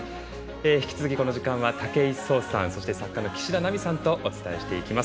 引き続き、この時間は武井壮さん、岸田奈美さんとお伝えしていきます。